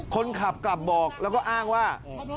คนขับกลับบอกแล้วก็อ้างว่า